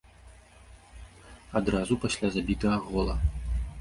Адразу пасля забітага гола.